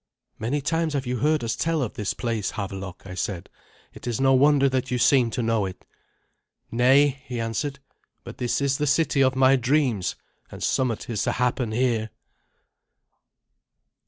"Many times have you heard us tell of this place, Havelok," I said. "It is no wonder that you seem to know it." "Nay," he answered, "but this is the city of my dreams, and somewhat is to happen here."